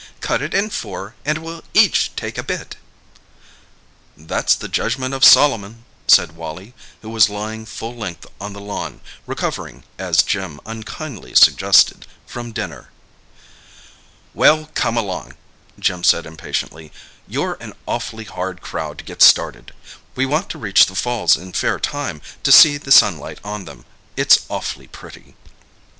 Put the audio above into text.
"Cut it in four, and we'll each take a bit." "That's the judgment of Solomon," said Wally, who was lying full length on the lawn—recovering, as Jim unkindly suggested, from dinner. "Well, come along," Jim said impatiently—"you're an awfully hard crowd to get started. We want to reach the falls in fair time, to see the sunlight on them—it's awfully pretty.